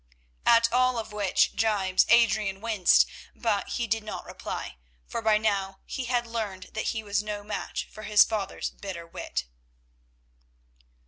At all of which gibes Adrian winced. But he did not reply, for by now he had learned that he was no match for his father's bitter wit.